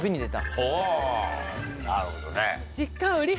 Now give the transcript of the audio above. ほうなるほどね。